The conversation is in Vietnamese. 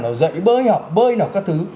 nào dậy bơi nào bơi nào các thứ